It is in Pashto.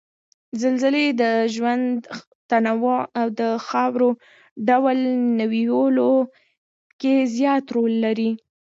زلزلې د ژوند تنوع او د خاورو ډول او نويولو کې زیات رول لري